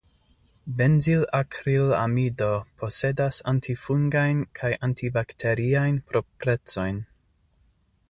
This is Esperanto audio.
Benzilakrilamido posedas antifungajn kaj antibakteriajn proprecojn.